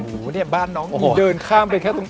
โอ้โหเนี่ยบ้านน้องเดินข้ามไปแค่ตรง